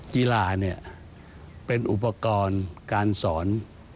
กีฬาเนี่ยเป็นอุปกรณ์การสอน